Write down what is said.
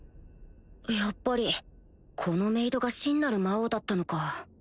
やっぱりこのメイドが真なる魔王だったのか